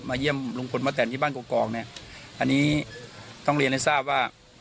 เยี่ยมลุงพลป้าแต่นที่บ้านกรอกเนี่ยอันนี้ต้องเรียนให้ทราบว่า